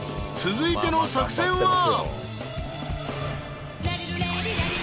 ［続いての作戦は？］